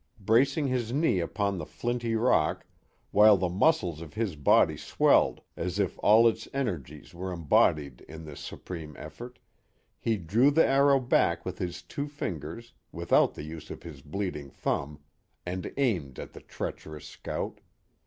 Bracing his knee upon the flinty rock, while the muscles of his body swelled as if all of its energies were em bodied in this supreme effort, he drew the arrow back with his two fingers, without the use of his bleeding thumb, and aimed at the treacherous scout.